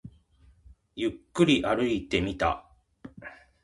ゆっくり歩いてみた